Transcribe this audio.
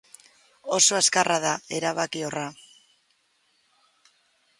Oso azkarra da, erabakiorra.